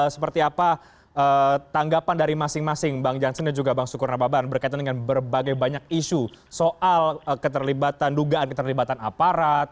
seperti apa tanggapan dari masing masing bang jansen dan juga bang sukur nababan berkaitan dengan berbagai banyak isu soal keterlibatan dugaan keterlibatan aparat